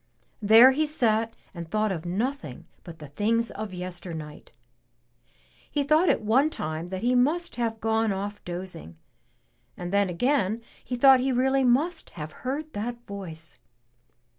There he sat and thought of nothing but the things of yesternight. He thought at one time that he must have gone off dozing and then again he thought he really must have heard that voice.